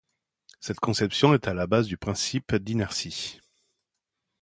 Cette conception est à la base du principe d'inertie.